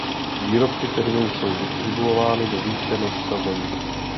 Výrobky firmy jsou distribuovány do více než sta zemí.